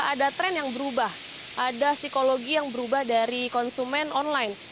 ada tren yang berubah ada psikologi yang berubah dari konsumen online